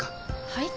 はい？